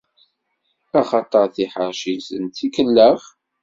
Axaṭer tiḥerci-nsen, d tikellax.